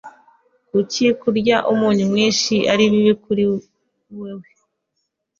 Kuki kurya umunyu mwinshi ari bibi kuri wewe?